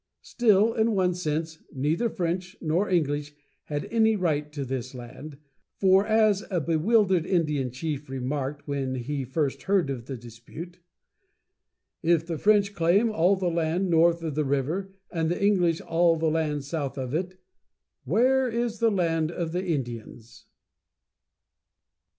Still, in one sense, neither French nor English had any right to this land, for as a bewildered Indian chief remarked when he first heard of the dispute: "If the French claim all the land north of the river, and the English all the land south of it, where is the land of the Indians?"